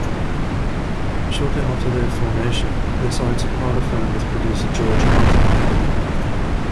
Shortly after their formation, they signed to Parlophone with producer George Martin.